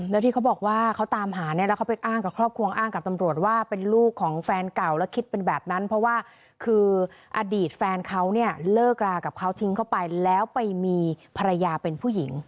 แล้วที่เขาบอกว่าเขาตามหาเนี่ยแล้วเขาไปอ้างกับครอบครัวอ้างกับตำรวจว่าเป็นลูกของแฟนเก่าแล้วคิดเป็นแบบนั้นเพราะว่าคืออดีตแฟนเขาเนี่ยเลิกรากับเขาทิ้งเข้าไปแล้วไปมีภรรยาเป็นผู้หญิง